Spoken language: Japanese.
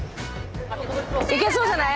いけそうじゃない？